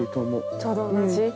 ちょうど同じ？